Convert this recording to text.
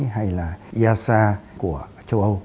hay là easa của châu âu